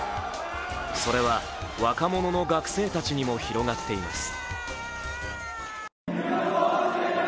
それは若者の学生たちにも広がっています。